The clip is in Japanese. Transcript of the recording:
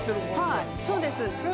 はいそうです。